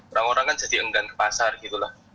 orang orang kan jadi enggan ke pasar gitu loh